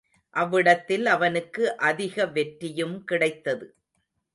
அவ்விடத்தில் அவனுக்கு அதிக வெற்றியும் கிடைத்தது.